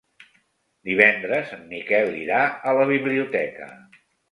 Divendres en Miquel irà a la biblioteca.